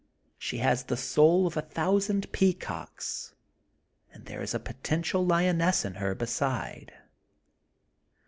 She has the sonl of a thousand peacocks and there is a potential lioness in her beside.